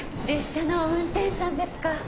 列車の運転士さんですか？